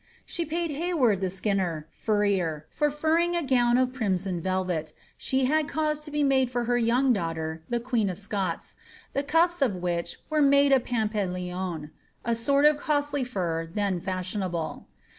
She paid Hay ward, the skinner (furrier), for inning a gown of crimson velvet, she had caused to be made for her young daughter, the queen of Scots, tlie cu i& of which were made of pampelyon, a sort of costly fur then fashionable.